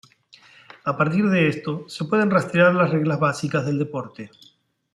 A partir de esto, se pueden rastrear las reglas básicas del deporte.